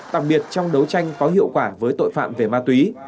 đặc biệt trong đấu tranh có hiệu quả với tội phạm về ma túy